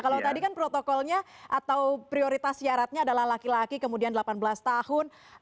kalau tadi kan protokolnya atau prioritas syaratnya adalah laki laki kemudian delapan belas tahun